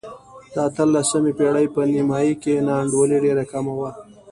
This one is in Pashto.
د اتلسمې پېړۍ په نیمايي کې نا انډولي ډېره کمه وه.